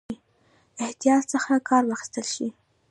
احتیاط څخه کار واخیستل شي.